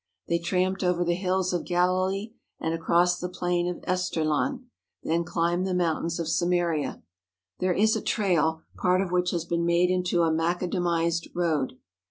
They tramped over the hills of Galilee and across the plain of Esdraelon, then climbed the moun tains of Samaria. There is a trail, part of which has been made into a macadamized road.